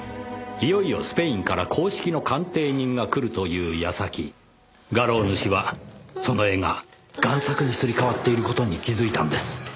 いよいよスペインから公式の鑑定人が来るという矢先画廊主はその絵が贋作にすり替わっている事に気づいたんです。